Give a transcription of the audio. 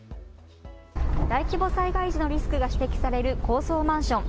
大規模災害時のリスクが指摘される高層マンション。